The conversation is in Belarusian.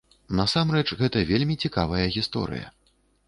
Насамрэч гэта вельмі цікавая гісторыя.